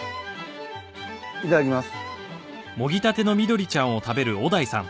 いただきます。